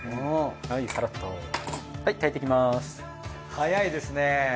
早いですね。